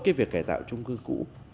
cái việc cải tạo trung cư cũ